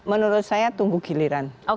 menurut saya tunggu giliran